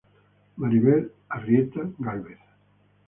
Maribel Arrieta Gálvez